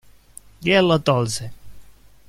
Glielo tolse.